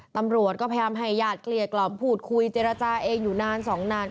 อ้อตำรวจก็พยายามใหญ่หยารเกลียดกล่ำผูดคุยเจรจาเองอยู่นานสองนาน